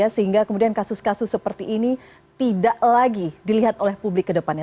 sehingga kemudian kasus kasus seperti ini tidak lagi dilihat oleh publik ke depannya